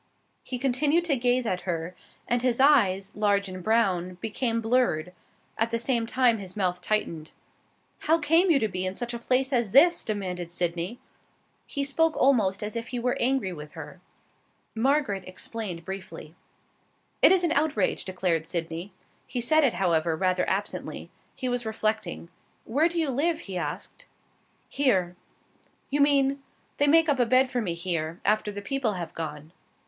He continued to gaze at her, and his eyes, large and brown, became blurred; at the same time his mouth tightened. "How came you to be in such a place as this?" demanded Sydney. He spoke almost as if he were angry with her. Margaret explained briefly. "It is an outrage," declared Sydney. He said it, however, rather absently. He was reflecting. "Where do you live?" he asked. "Here." "You mean ?" "They make up a bed for me here, after the people have gone."